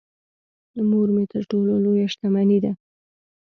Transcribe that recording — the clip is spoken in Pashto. مور مې تر ټولو لويه شتمنی ده .